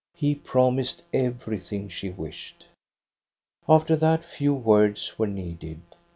He promised everything she wished. "After that few words were needed.